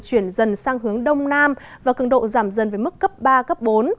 chuyển dần sang hướng đông nam và cường độ giảm dần với mức cấp ba bốn